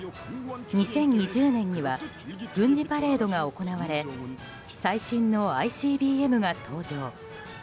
２０２０年には軍事パレードが行われ最新のＩＣＢＭが登場。